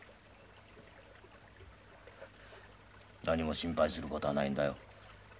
何も心配する事はないんだよ。